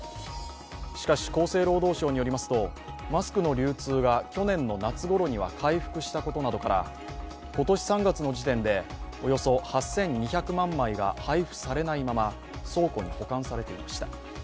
しかし、厚生労働省によりますと、マスクの流通が去年の夏ごろには回復したことなどから今年３月の時点でおよそ８２００万枚が配布されないまま倉庫に保管されていました。